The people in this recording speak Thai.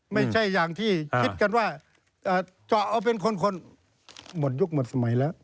ไม่ใช่อย่างที่คิดกันว่าเจาะเอาเป็นคนหมดยุคหมดสมัยแล้ว